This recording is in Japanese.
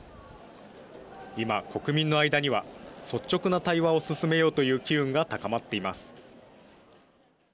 今、国民の間には率直な対話を進めようという機運が高まっています。